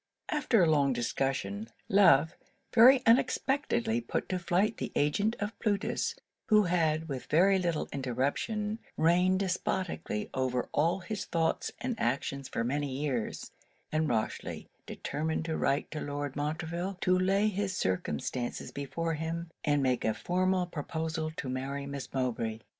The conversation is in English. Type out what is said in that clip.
After a long discussion, Love very unexpectedly put to flight the agent of Plutus, who had, with very little interruption, reigned despoticly over all his thoughts and actions for many years; and Rochely determined to write to Lord Montreville, to lay his circumstances before him, and make a formal proposal to marry Miss Mowbray.